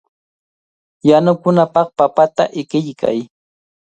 Yanukunapaq papata ikiykay.